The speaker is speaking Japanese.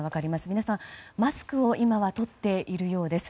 皆さん、マスクを今は取っているようです。